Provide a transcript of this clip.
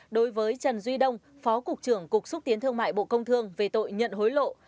đối với trần duy đông phó cục trưởng cục xúc tiến thương mại bộ công thương về tội nhận hối lộ